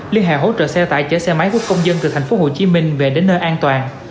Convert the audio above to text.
liên hệ hỗ trợ xe tải chở xe máy quốc công dân từ thành phố hồ chí minh về đến nơi an toàn